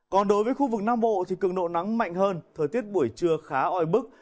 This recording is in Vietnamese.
còn đối với khu vực nam bộ thì cường độ nắng mạnh hơn thời tiết buổi trưa khá oi bức